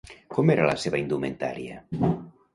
Com era la seva indumentària?